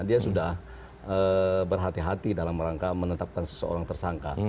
dia sudah berhati hati dalam rangka menetapkan seseorang tersangka